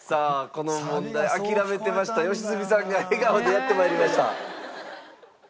この問題諦めてました良純さんが笑顔でやってまいりました。